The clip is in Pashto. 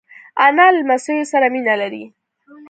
انا له لمسیو سره مینه لري